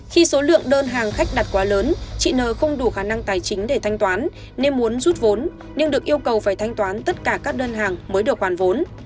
khi số lượng đơn hàng khách đặt quá lớn chị nờ không đủ khả năng tài chính để thanh toán nên muốn rút vốn nhưng được yêu cầu phải thanh toán tất cả các đơn hàng mới được hoàn vốn